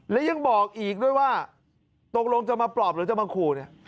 และยังบอกอีกด้วยว่าตกลงจะมาปลอบหรือจะมาขู่เนี่ย